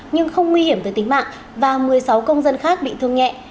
nhưng không nguy hiểm tới tính mạng và một mươi sáu công dân khác bị thương nhẹ